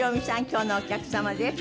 今日のお客様です。